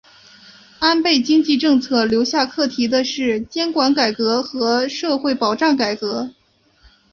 安倍经济政策留下课题的是监管改革和社会保障改革。